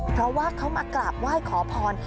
เพราะว่าเขามากราบไหว้ขอพร